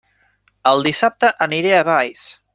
El dissabte aniré a Valls!